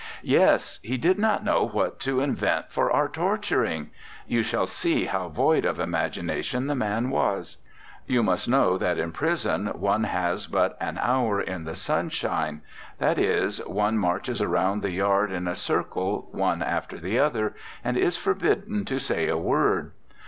" Yes, he did not know what to invent for our torturing. ... You shall see how void of imagination the man was. You must know that in prison one has but an hour in the sunshine, that is, one 55 RECOLLECTIONS OF OSCAR WILDE marches around the yard in a circle, one after the other, and is forbidden to say a word.